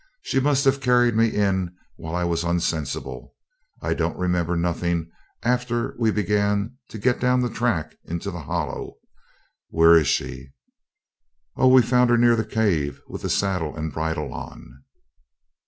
She must have carried me in while I was unsensible. I don't remember nothing after we began to get down the track into the Hollow. Where is she?' 'Oh! we found her near the cave, with the saddle and bridle on.'